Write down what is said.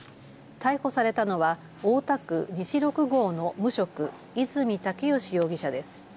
逮捕されたのは大田区西六郷の無職、泉竹良容疑者です。